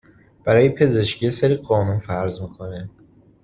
برای پزشکی یه سری قانون فرض میکنه